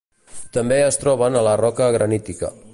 També es troben a la roca granítica.